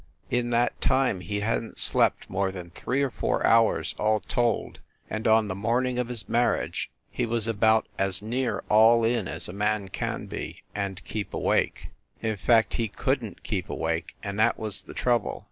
In that time he hadn t slept more than three or four hours, all told, and on the morning of his marriage he was about as near all in as a man can be, and keep awake. In fact, he couldn t keep awake, and that was the trouble.